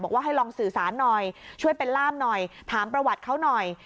ว่าให้ลองสื่อสารหน่อยช่วยเป็นล่ามหน่อยถามประวัติเขาหน่อย